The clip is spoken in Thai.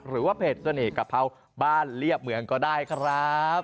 หรือว่าเพจเสน่ห์กะเพราบ้านเรียบเมืองก็ได้ครับ